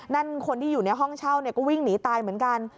นั่นคนที่อยู่ในห้องเช่าก็วิ่งหนีตายเหมือนกัน